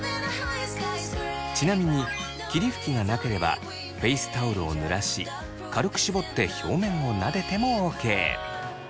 ちなみに霧吹きがなければフェイスタオルをぬらし軽く絞って表面をなでてもＯＫ。